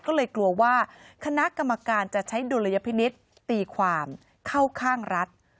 ก็เลยกลัวว่าคณะกรรมการจะใช้ดุลยพินิษฐ์ตีความเข้าข้างรัฐ